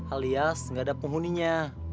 alias ga ada penghuninya